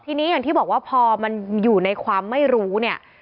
ทีนี้อย่างที่บอกว่าพอมันอยู่ในความไม่รู้เนี่ย